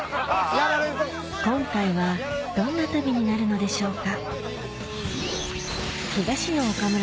今回はどんな旅になるのでしょうか？